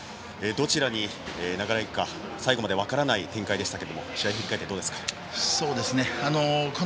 どちらに流れが行くか最後まで分からない展開でしたが試合を振り返って、どうですか。